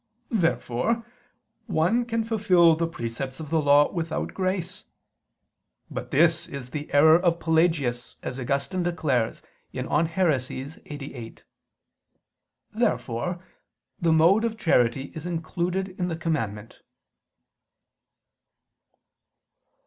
Therefore one can fulfil the precepts of the law without grace. But this is the error of Pelagius, as Augustine declares (De Haeres. lxxxviii). Therefore the mode of charity is included in the commandment.